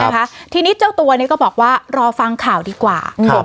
ครับทีนี้เจ้าตัวเนี้ยก็บอกว่ารอฟังข่าวดีกว่าครับ